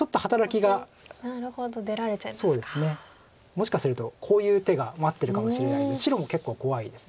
もしかするとこういう手が待ってるかもしれないんで白も結構怖いです。